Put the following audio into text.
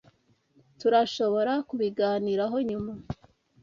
Turashobora kubiganiraho nyuma.